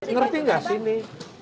ngerti nggak sih ini